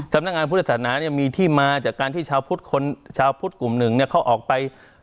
สำนักงานพุทธศาสนามีที่มาจากการที่ชาวพุทธกลุ่มหนึ่งเขาออกไป